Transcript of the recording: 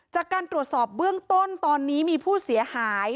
จากการตรวจสอบเบื้องต้นตอนนี้มีผู้เสียหาย